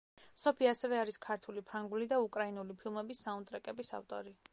სოფი ასევე არის ქართული, ფრანგული და უკრაინული ფილმების საუნდტრეკების ავტორი.